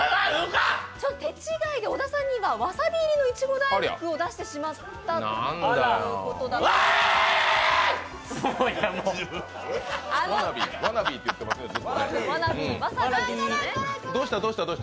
手違いで小田さんにはわさび入りのいちご大福を出してしまったという。